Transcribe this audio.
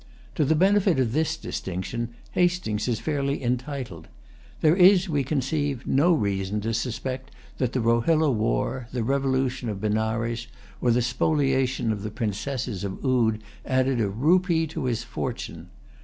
To the benefit of this distinction Hastings is fairly entitled. There is, we conceive, no reason to suspect that the Rohilla war, the revolution of Benares, or the spoliation of the Princesses of Oude, added a rupee to his fortune.